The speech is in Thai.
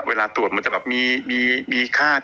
เวลาตรวจมันจะมีค่า